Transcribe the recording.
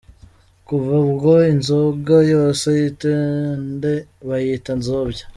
Kuva ubwo inzoga yose y’itende bayita nzobya.